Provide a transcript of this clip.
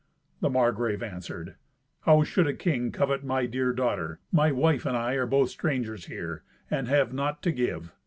The Margrave answered, "How should a king covet my dear daughter? My wife and I are both strangers here, and have naught to give.